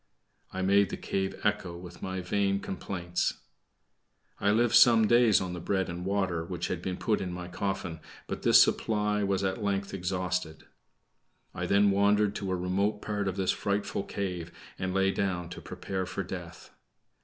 I made the cave echo with my vain complaints. I lived some days on the bread and water which had been put into my coffin, but this supply was at length exhausted. I then wandered to a remote part of this frightful cave and lay down to prepare for death.